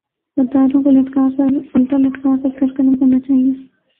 غداروں کو الٹا لٹکا کر سر قلم کرنا چاہیۓ